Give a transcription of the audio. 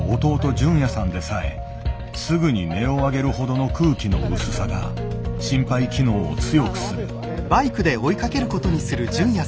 隼也さんでさえすぐに音を上げるほどの空気の薄さが心肺機能を強くする。